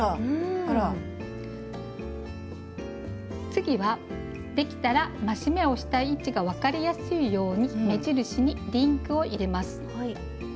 次はできたら増し目をした位置が分かりやすいように目印にリングを入れます。